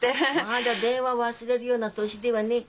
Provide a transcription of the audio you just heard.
まだ電話忘れるような年ではねえ。